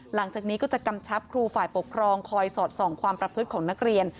หลังจากนี้ก็จะกำชับครูฝ่ายปกครองคอยสอดส่องความประพฤติของนักเรียน